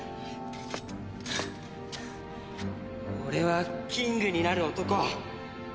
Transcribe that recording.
俺はキングになる男。